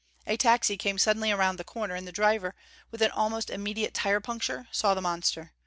A taxi came suddenly around the corner, and the driver, with an almost immediate tire puncture, saw the monster.